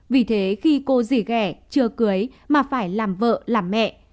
vì thế khi cô dỉ ghẻ chưa cưới mà phải làm vợ làm mẹ